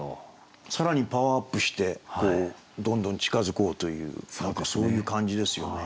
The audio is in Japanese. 更にパワーアップしてどんどん近づこうという何かそういう感じですよね。